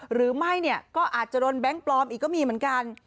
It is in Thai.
หรือไม่เนี่ยก็อาจจะโดนแบงค์ปลอมอีกก็มีเหมือนกัน